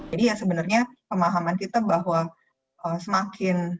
jadi ya sebenarnya pemahaman kita bahwa semakin